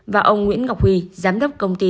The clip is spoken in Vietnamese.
và ông nguyễn ngọc huy giám đốc công ty